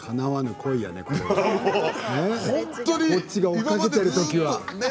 こっちが追っかけているときには。